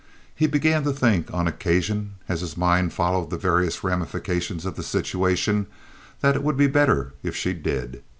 He began to think on occasion, as his mind followed the various ramifications of the situation, that it would be better if she did.